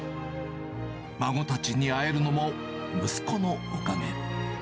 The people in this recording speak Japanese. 孫たちに会えるのも息子のおかげ。